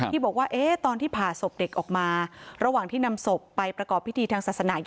ที่บอกว่าตอนที่ผ่าศพเด็กออกมาระหว่างที่นำศพไปประกอบพิธีทางศาสนา